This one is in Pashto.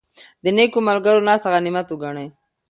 د نېکو ملګرو ناسته غنیمت وګڼئ.